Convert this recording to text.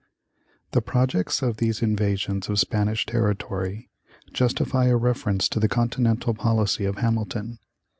The projects of these invasions of Spanish territory justify a reference to the continental policy of Hamilton.